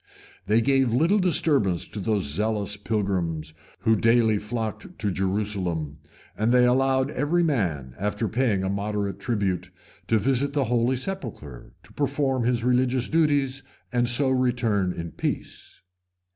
They gave little disturbance to those zealous pilgrims who daily flocked to Jerusalem; and they allowed every man, after paying a moderate tribute, to visit the holy sepulchre, to perform his religious duties, and so return in peace.